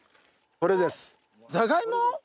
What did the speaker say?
これです。